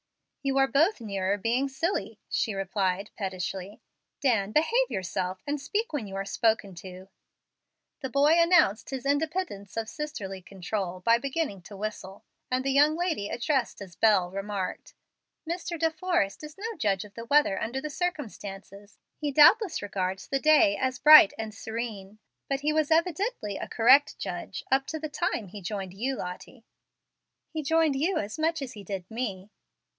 "You are both nearer being silly," she replied, pettishly. "Dan, behave yourself, and speak when you are spoken to." The boy announced his independence of sisterly control by beginning to whistle, and the young lady addressed as "Bel" remarked, "Mr. De Forrest is no judge of the weather under the circumstances. He doubtless regards the day as bright and serene. But he was evidently a correct judge up to the time he joined you, Lottie." "He joined you as much as he did me."